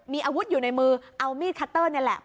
มีอาวุธอยู่ในมือเอามีดคัตเตอร์นี่แหละ